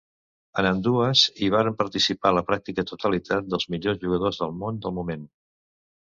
En ambdues, hi varen participar la pràctica totalitat dels millors jugadors del món del moment.